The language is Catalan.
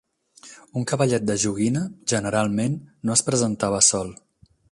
Un cavallet de joguina, generalment, no es presentava sol.